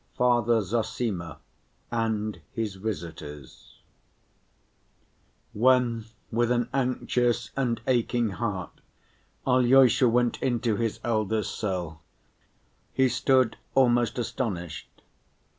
Father Zossima And His Visitors When with an anxious and aching heart Alyosha went into his elder's cell, he stood still almost astonished.